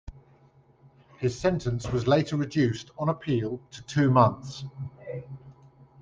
His sentence was later reduced on appeal to two months.